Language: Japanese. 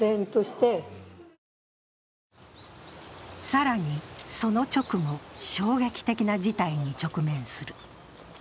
更にその直後、衝撃的な事態に直面する。